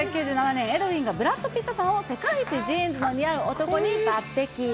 １９９７年、エドウィンがブラッド・ピットさんを世界一ジーンズの似合う男に抜てき。